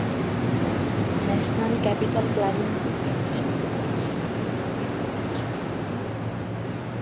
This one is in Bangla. ন্যাশনাল ক্যাপিটাল প্ল্যানিং নামক একটি সংস্থা শহরের প্রবৃদ্ধি দেখাশোনার কাজে নিয়োজিত।